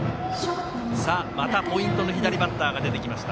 またポイントの左バッターが出てきました。